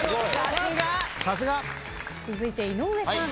続いて井上さん。